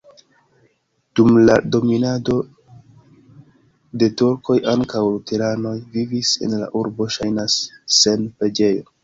Dum dominado de turkoj ankaŭ luteranoj vivis en la urbo, ŝajnas, sen preĝejo.